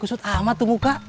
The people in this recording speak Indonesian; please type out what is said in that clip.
kusut amat tuh muka